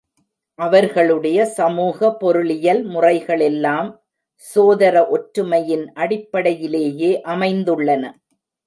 அவர்களுடைய சமூக, பொருளியல் முறைகளெல்லாம், சோதர ஒற்றுமையின் அடிப்படையிலேயே அமைந்துள்ளன.